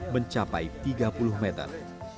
mencapai tiga puluh meter